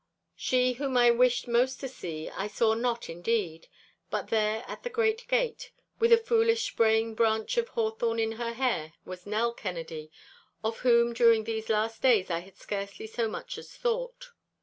She whom I wished most to see I saw not indeed; but there at the great gate, with a foolish spraying branch of hawthorn in her hair, was Nell Kennedy, of whom during these last days I had scarcely so much as thought.